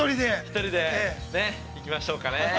◆１人でね◆行きましょうかね。